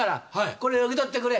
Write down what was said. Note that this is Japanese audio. これ受け取ってくれ。